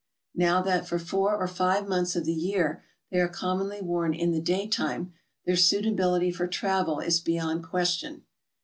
Now that for four or five months of the year they are commonly worn in the day time, their suitability for travel is beyond question.